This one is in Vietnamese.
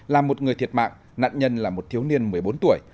làm một người thiệt mạng nạn nhân là một thiếu niên một mươi bốn tuổi